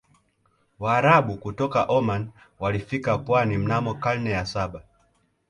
waarabu kutoka oman walifika pwani mnamo karne ya saba